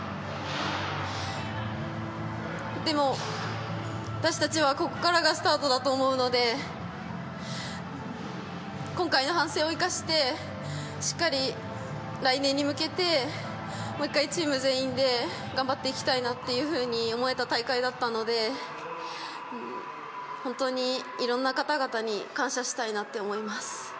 でも、私たちはここからがスタートだと思うので今回の反省を生かしてしっかり来年に向けてもう１回チーム全員で頑張っていきたいと思えた大会だったので本当に色んな方々に感謝したいなと思います。